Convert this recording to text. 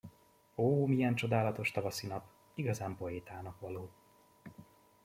Ó, milyen csodálatos tavaszi nap, igazán poétának való!